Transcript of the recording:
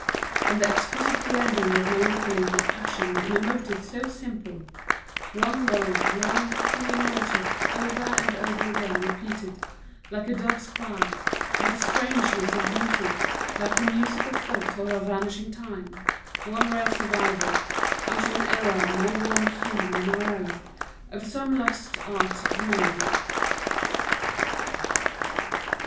And the exquisite blending of melancholy with passion in a motive so simple, one low long cooing motive, over and over again repeated, like a dove's cry, had a strangeness of beauty like the musical thought of a vanished time, one rare survival, out of an era more warmly human than our own, of some lost art of melody.